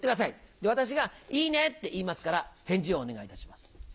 で私が「いいね」って言いますから返事をお願いいたします。